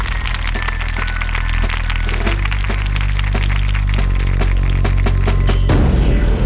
สวัสดีครับ